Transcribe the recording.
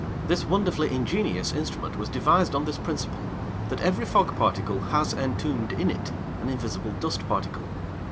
This wonderfully ingenious instrument was devised on this principle, that every fog particle has entombed in it an invisible dust particle.